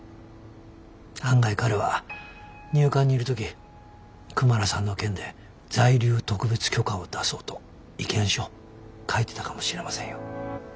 案外彼は入管にいる時クマラさんの件で在留特別許可を出そうと意見書書いてたかもしれませんよ。